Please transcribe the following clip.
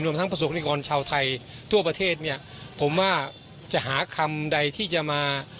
ทั้งประสบนิกรชาวไทยทั่วประเทศเนี่ยผมว่าจะหาคำใดที่จะมา